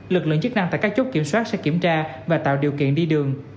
lực lượng chức năng tại các chốt kiểm soát sẽ kiểm tra và tạo điều kiện đi đường